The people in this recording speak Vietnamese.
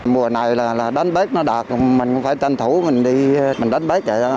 mùa này là đánh bắt nó đạt mình cũng phải tranh thủ mình đi đánh bắt